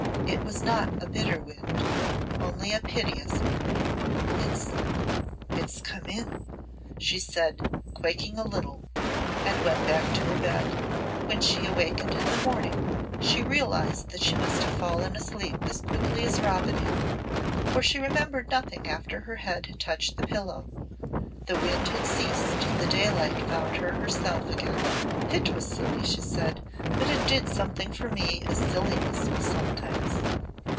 It was not a bitter wind, only a piteous one. "It's it's come in," she said, quaking a little, and went back to her bed. When she awakened in the morning she realised that she must have fallen asleep as quickly as Robin had, for she remembered nothing after her head had touched the pillow. The wind had ceased and the daylight found her herself again. "It was silly," she said, "but it did something for me as silliness will sometimes.